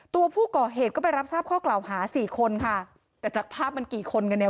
ตัวผู้ก่อเหตุก็ไปรับทราบข้อกล่าวหาสี่คนค่ะแต่จากภาพมันกี่คนกันเนี่ย